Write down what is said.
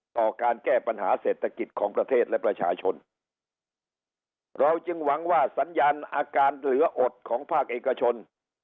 ต่อการแก้ปัญหาเศรษฐกิจของประเทศและประชาชนเราจึงหวังว่าสัญญาณอาการเหลืออดของภาคเอกชน